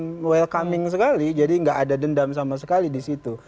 itu paling paling sekali jadi tidak ada dendam sama sekali di situ